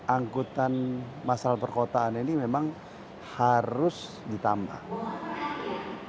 angkutan masalah perkotaan ini memang harus ditambah